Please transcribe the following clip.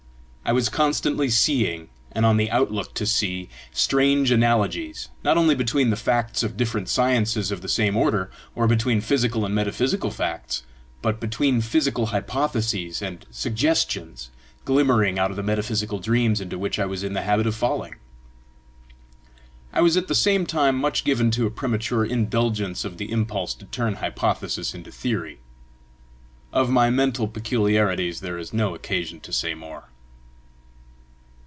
I was constantly seeing, and on the outlook to see, strange analogies, not only between the facts of different sciences of the same order, or between physical and metaphysical facts, but between physical hypotheses and suggestions glimmering out of the metaphysical dreams into which I was in the habit of falling. I was at the same time much given to a premature indulgence of the impulse to turn hypothesis into theory. Of my mental peculiarities there is no occasion to say more.